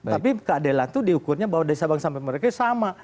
tapi keadilan itu diukurnya bahwa dari sabang sampai merauke sama